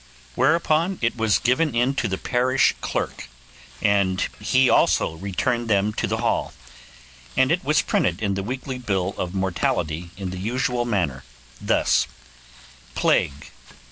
Whereupon it was given in to the parish clerk, and he also returned them to the Hall; and it was printed in the weekly bill of mortality in the usual manner, thus— Plague, 2.